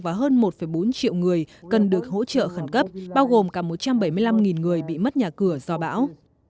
và hơn một bốn triệu người cần được hỗ trợ khẩn cấp bao gồm cả một trăm bảy mươi năm người bị mất nhà cửa do bão